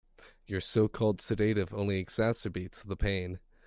Your so-called sedative only exacerbates the pain.